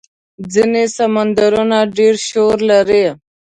ځینې سمندرونه ډېر شور لري.